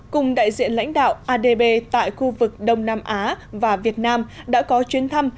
cùng đại diện lãnh đạo adb tại khu vực đông nam á và việt nam đã có chuyến thăm